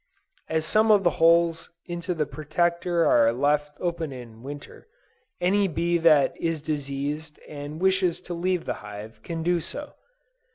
As some of the holes into the Protector are left open in Winter, any bee that is diseased and wishes to leave the hive can do so.